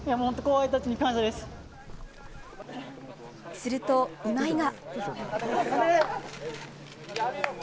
すると、今井が。